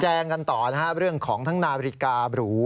กันต่อนะครับเรื่องของทั้งนาฬิกาบรู